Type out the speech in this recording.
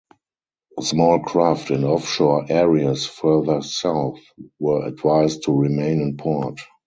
Small craft in offshore areas further south were advised to remain in port.